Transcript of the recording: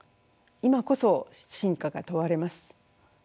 今こそ真価が問われます。